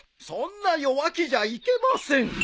そんな弱気じゃいけません！